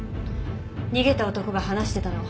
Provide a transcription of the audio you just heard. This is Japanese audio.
逃げた男が話してたの。